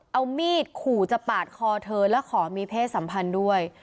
เอามีดขู่จะปาดคอเธอแล้วขอมีเพศสัมพันธ์ด้วย